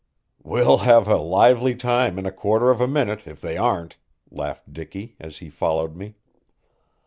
"We'll have a lively time in a quarter of a minute if they aren't," laughed Dicky, as he followed me.